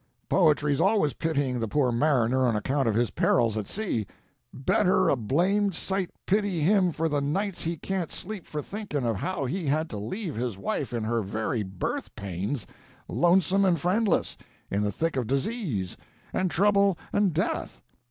Poetry's always pitying the poor mariner on account of his perils at sea; better a blamed sight pity him for the nights he can't sleep for thinking of how he had to leave his wife in her very birth pains, lonesome and friendless, in the thick of disease and trouble and death.